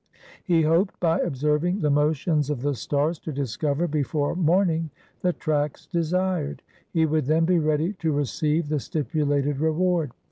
He hoped, by observing the motions of the stars, to discover before morning the tracks desired. He would then be ready to receive the stipulated reward.